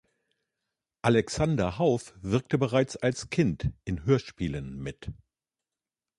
Alexander Hauff wirkte bereits als Kind in Hörspielen mit.